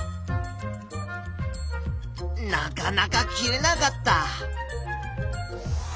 なかなか切れなかった。